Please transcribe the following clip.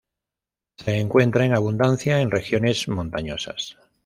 Se encuentra en abundancia en regiones montañosas.